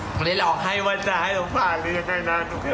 โปรดติดตามตอนต่อไป